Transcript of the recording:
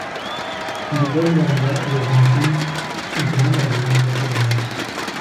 د ګرځنده روغتون دننه رڼا به په رڼا شي.